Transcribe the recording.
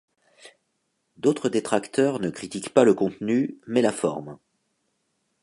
D'autres détracteurs ne critiquent pas le contenu, mais la forme.